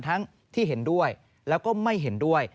ทั้งที่เห็นด้วยแล้วก็ไม่เห็นด้วย